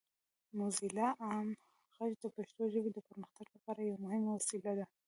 موزیلا عام غږ د پښتو ژبې د پرمختګ لپاره یوه مهمه وسیله ده.